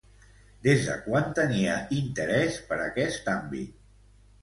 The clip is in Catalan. Des de quan tenia interès per aquest àmbit?